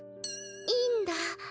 いいんだ。